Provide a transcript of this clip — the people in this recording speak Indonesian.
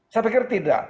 saya pikir tidak